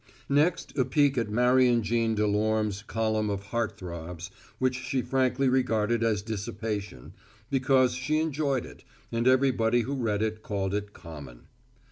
Next a peek at Marion Jean Delorme's column of heart throbs, which she frankly regarded as dissipation, because she enjoyed it, and everybody who read it called it common.